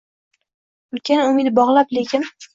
Ulkan umid bogʼlab lekin –